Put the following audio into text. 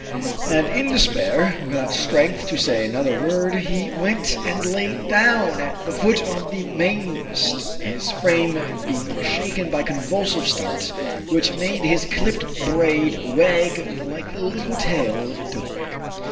And in despair, without strength to say another word, he went and lay down at the foot of the main mast, his frame being shaken by convulsive starts, which made his clipped braid wag like the little tail of a dog.